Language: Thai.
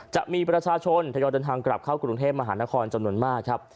จะมีประชาชนทยอยเดินทางกลับเข้ากรุงเทพมหานครจำนวนมากครับ